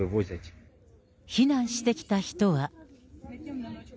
避難してきた人は。